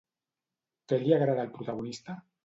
Què li agrada al protagonista?